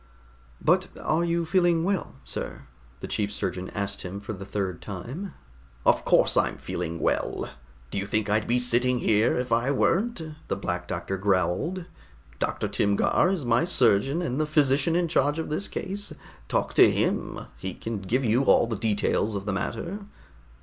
"But are you feeling well, sir?" the chief surgeon asked him for the third time. "Of course I'm feeling well. Do you think I'd be sitting here if I weren't?" the Black Doctor growled. "Dr. Timgar is my surgeon and the physician in charge of this case. Talk to him. He can give you all the details of the matter."